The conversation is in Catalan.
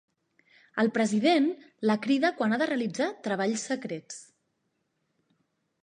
El president la crida quan ha de realitzar treballs secrets.